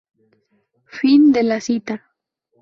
Fin de la cita.